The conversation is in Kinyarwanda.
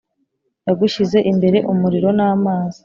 Yagushyize imbere umuriro n’amazi,